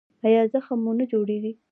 ایا زخم مو نه جوړیږي؟